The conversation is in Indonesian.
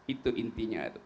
itu intinya itu